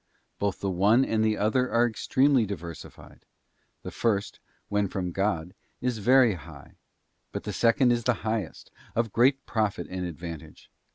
Both the one and the other are extremely diversified. The first, when from God, is very high; but the second is the highest, of great profit and advantage.